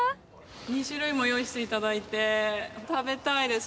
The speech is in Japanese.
２種類も用意していただいて食べたいです